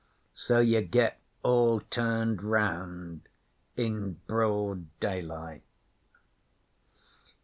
So ye get all turned round in broad daylight.'